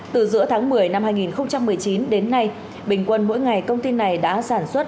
từ giữa tháng một mươi năm hai nghìn một mươi chín đến nay bình quân mỗi ngày công ty này đã sản xuất